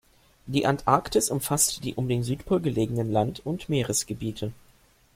Die Antarktis umfasst die um den Südpol gelegenen Land- und Meeresgebiete.